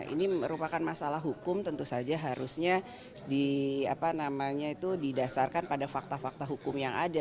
ini merupakan masalah hukum tentu saja harusnya didasarkan pada fakta fakta hukum yang ada